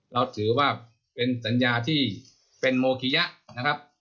เราถือว่าเป็นสัญญาที่เป็นโมคิยะนะครับ